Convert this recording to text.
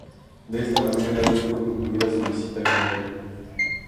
De esta manera dio por concluida su visita general.